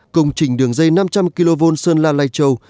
công trình đường dây năm trăm linh kv sơn la lai châu